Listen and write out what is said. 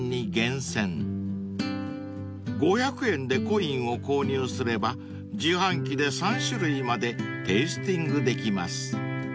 ［５００円でコインを購入すれば自販機で３種類までテイスティングできます］